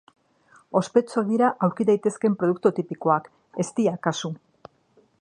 Ospetsuak dira aurki daitezkeen produktu tipikoak, eztia kasu.